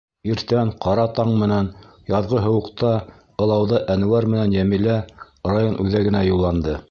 Иртән, ҡара таң менән яҙғы һыуыҡта ылауҙа Әнүәр менән Йәмилә район үҙәгенә юлланды.